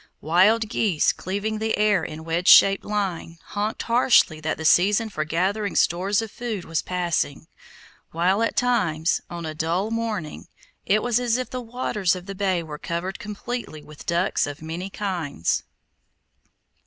Wild geese, cleaving the air in wedge shaped line, honked harshly that the season for gathering stores of food was passing, while at times, on a dull morning, it was as if the waters of the bay were covered completely with ducks of many kinds.